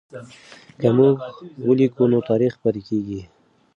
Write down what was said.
که موږ ولیکو نو تاریخ پاتې کېږي.